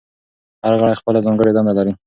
هر غړی خپله ځانګړې دنده لري.